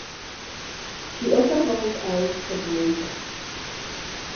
She also holds Irish citizenship.